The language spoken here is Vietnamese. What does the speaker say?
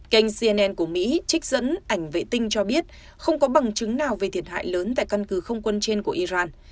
kênh cnn của mỹ trích dẫn ảnh vệ tinh cho biết không có bằng chứng nào về thiệt hại lớn tại căn cứ không quân trên của iran